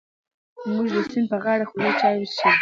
موږ د سیند په غاړه خوږې چای وڅښلې.